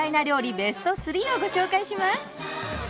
ベスト３をご紹介します。